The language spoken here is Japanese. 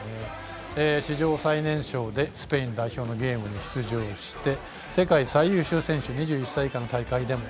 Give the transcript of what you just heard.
史上最年少でスペイン代表のゲームに出場して世界最優秀選手２１歳以下の大会でも。